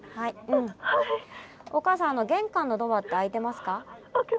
おかあさん玄関のドアって開いてますか？